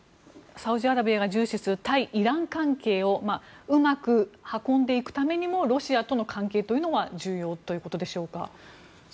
サウジアラビアが重視する対イラン関係をうまく運んでいくためにもロシアとの関係というのは重要ということでしょうか。